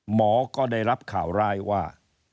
หมอก็ได้รับข่าวร้ายว่า